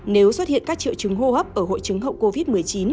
nếu xuất hiện các triệu chứng hô hấp ở hội chứng hậu covid một mươi chín